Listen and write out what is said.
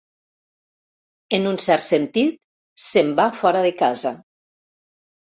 En un cert sentit, se'n va fora de casa.